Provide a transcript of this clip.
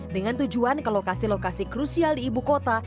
dengan tujuan ke lokasi lokasi krusial di ibu kota